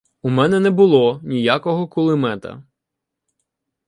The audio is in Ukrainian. — У мене не було ніякого кулемета.